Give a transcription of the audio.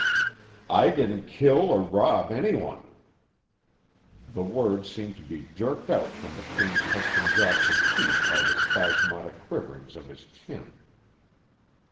"I didn't kill or rob any one." The words seemed to be jerked out from between Preston Jax's teeth by the spasmodic quiverings of his chin.